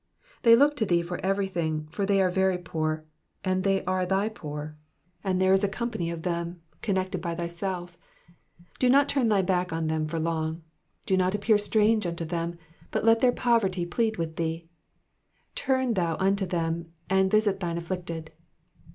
''^ They look to thee for everything, for tney are very poor, and they are thy poor, and there is a company of them, collected by thyself ; do not turn thy back on them for long, do not appear strange unto them, but let their poverty plead with thee ; turn thou unto them, and visit thine afflicted.